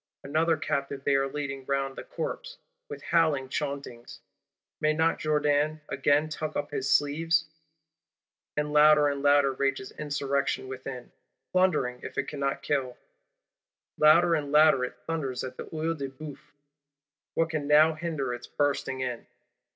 Another captive they are leading round the corpse, with howl chauntings: may not Jourdan again tuck up his sleeves? And louder and louder rages Insurrection within, plundering if it cannot kill; louder and louder it thunders at the Œil de Bœuf: what can now hinder its bursting in?